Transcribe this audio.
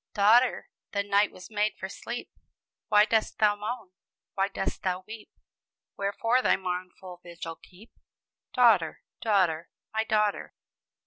"Daughter, the night was made for sleep; Why dost thou moan, why dost thou weep? Wherefore thy mournful vigil keep? Daughter, daughter, my daughter!"